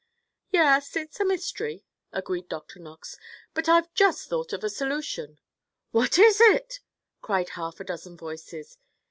"Yes, it's a mystery," agreed Dr. Knox. "But I've just thought of a solution." "What is it?" cried half a dozen voices.